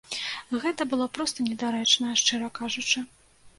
Гэта было проста недарэчна, шчыра кажучы.